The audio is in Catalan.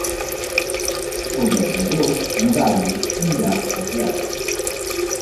El deu d'agost na Dàlia anirà al teatre.